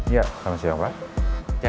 ya selamat siang pak